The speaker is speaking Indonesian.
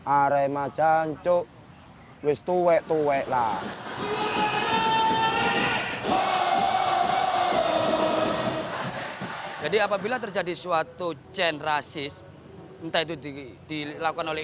arema jancuk listu wetuwe lah jadi apabila terjadi suatu cendol rasis entah itu dilakukan oleh